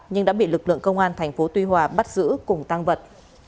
nhưng đã bị lực lượng công an thành phố tuy hòa bắt giữ cùng tăng vật